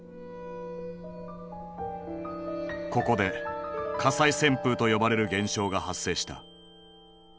ここで「火災旋風」と呼ばれる現象が発生した。